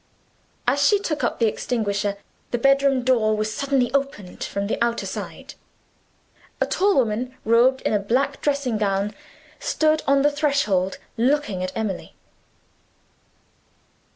As she took up the extinguisher, the bedroom door was suddenly opened from the outer side. A tall woman, robed in a black dressing gown, stood on the threshold, looking at Emily.